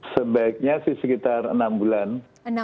sebaiknya sih sekitar enam bulan